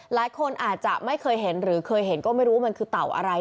หลายคนอาจจะไม่เคยเห็นหรือเคยเห็นก็ไม่รู้มันคือเต่าอะไร